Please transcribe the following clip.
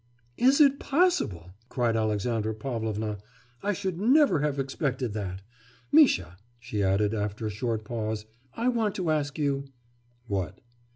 'Is it possible?' cried Alexandra Pavlovna, 'I should never have expected that! Misha,' she added, after a short pause, 'I want to ask you ' 'What?